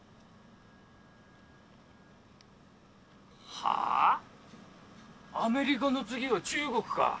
はぁアメリカの次は中国か。